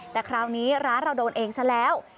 แต่คราวนี้ร้านเราโดนเองซะแล้ว